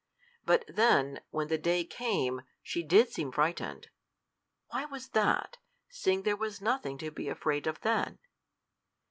But then, when the day came, she did seem frightened: why was that, seeing there was nothing to be afraid of then?